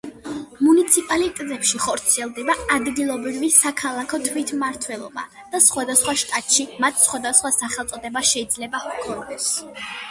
მუნიციპალიტეტებში ხორციელდება ადგილობრივი საქალაქო თვითმმართველობა, და სხვადასხვა შტატში მათ სხვადასხვა სახელწოდება შეიძლება ჰქონდეს.